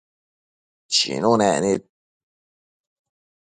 Chinunec nid